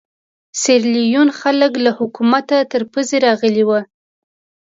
سیریلیون خلک له حکومته تر پزې راغلي وو.